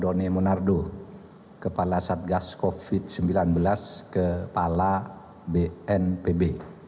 lalu ada pak binti munardo kepala satgas covid sembilan belas kepala bnpb